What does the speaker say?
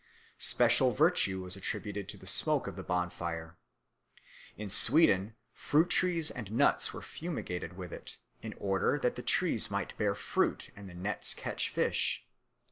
Special virtue was attributed to the smoke of the bonfire; in Sweden fruit trees and nets were fumigated with it, in order that the trees might bear fruit and the nets catch fish.